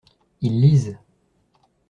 Ils lisent.